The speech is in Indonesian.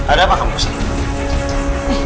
ada apa kamu disini